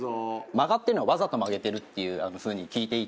曲がってるのはわざと曲げてるっていう風に聞いていて。